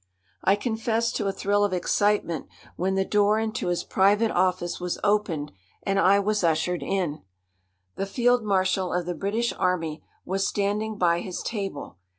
I confess to a thrill of excitement when the door into his private office was opened and I was ushered in. The Field Marshal of the British Army was standing by his table.